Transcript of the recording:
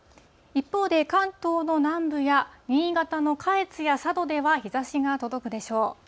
一方で、関東の南部や新潟の下越や佐渡では、日ざしが届くでしょう。